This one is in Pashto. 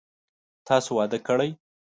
تاسو واده کړئ ؟